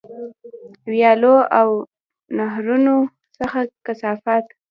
ویالو او نهرونو څخه کثافات.